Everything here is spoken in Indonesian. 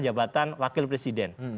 jabatan wakil presiden